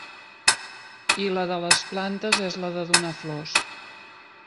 I la de les plantes és la de donar flors.